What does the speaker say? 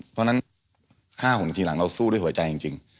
เพราะฉะนั้น๕๖ทีหลังเราสู้ด้วยหัวใจจริง